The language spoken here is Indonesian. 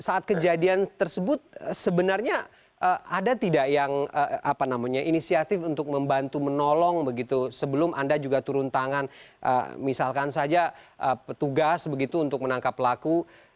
saat kejadian tersebut sebenarnya ada tidak yang apa namanya inisiatif untuk membantu menolong begitu sebelum anda juga turun tangan misalkan saja petugas begitu untuk menangkap pelaku